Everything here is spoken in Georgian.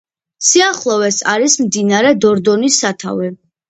სიახლოვეს არის მდინარე დორდონის სათავე.